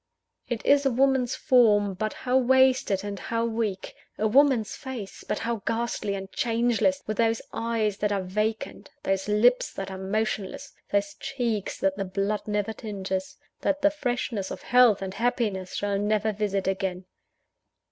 It is a woman's form; but how wasted and how weak! a woman's face; but how ghastly and changeless, with those eyes that are vacant, those lips that are motionless, those cheeks that the blood never tinges, that the freshness of health and happiness shall never visit again!